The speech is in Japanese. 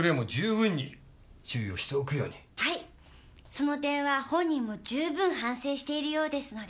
その点は本人も十分反省しているようですので。